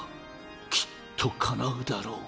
きっとかなうだろう。